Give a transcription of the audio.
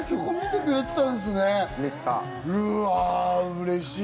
うれしい！